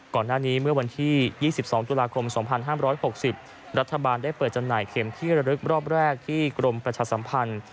ก่อนหน้านี้เมื่อวันที่๒๒ตุลาคม๒๕๖๐รัฐบาลได้เปิดจำหน่ายเข็มที่ระลึกรอบแรกที่กรมประชาสัมพันธ์